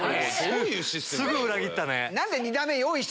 すぐ裏切ったね。